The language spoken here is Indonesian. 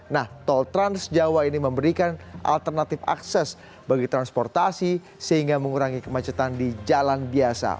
nah tol trans jawa ini memberikan alternatif akses bagi transportasi sehingga mengurangi kemacetan di jalan biasa